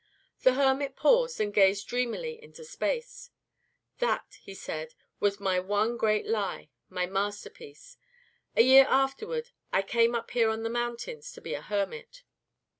The hermit paused, and gazed dreamily into space. "That," he said, "was my one great lie, my masterpiece. A year afterward I came up here on the mountain to be a hermit."